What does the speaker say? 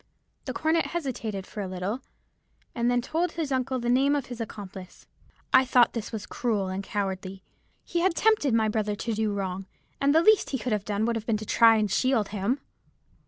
The cornet hesitated for a little, and then told his uncle the name of his accomplice. I thought this was cruel and cowardly. He had tempted my brother to do wrong, and the least he could have done would have been to try to shield him.